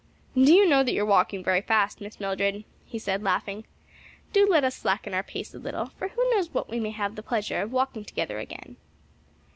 "Do you know that you are walking very fast, Miss Mildred?" he said, laughing. "Do let us slacken our pace a little, for who knows when we may have the pleasure of walking together again."